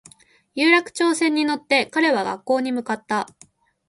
有楽町線に乗って彼は学校に向かった